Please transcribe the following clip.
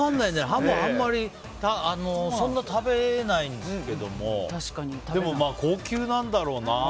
ハモ、あんまりそんなに食べないんですけどもでも、高級なんだろうな。